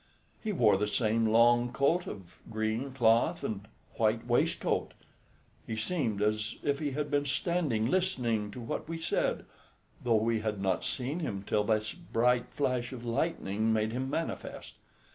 He wore the same long coat of green cloth and white waistcoat. He seemed as if he had been standing listening to what we said, though we had not seen him till this bright flash of lightning made him manifest.